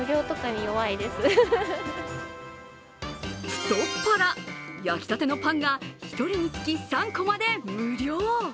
太っ腹、焼きたてのパンが１人につき３個まで無料。